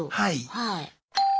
はい。